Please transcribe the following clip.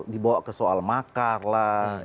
dibawa ke soal makar lah